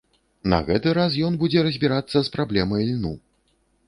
На гэты раз ён будзе разбірацца з праблемай льну.